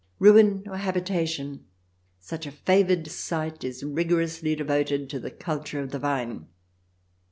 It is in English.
Ruin or habitation, such a favoured site is rigor ously devoted to the culture of the vine.